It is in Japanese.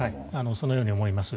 そのように思います。